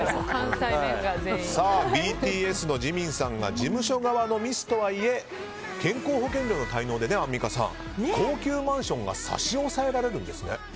ＢＴＳのジミンさんが事務所側のミスとはいえ健康保険料の滞納でアンミカさん、高級マンションが差し押さえられるんですね。